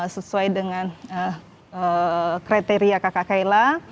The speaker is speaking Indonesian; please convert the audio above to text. sesuai dengan kriteria kakak kaila